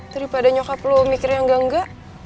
daripada nyokap lu mikir yang engga enga